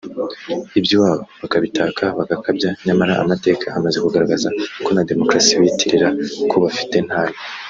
iby’iwabo bakabitaka bagakabya nyamara amateka amaze kugaragaza ko na demokarasi biyitirira ko bafite ntayo